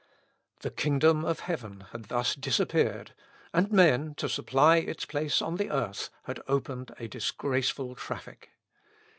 The kingdom of heaven had thus disappeared, and men, to supply its place on the earth, had opened a disgraceful traffic.